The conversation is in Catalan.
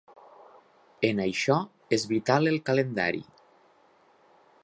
En això és vital el calendari.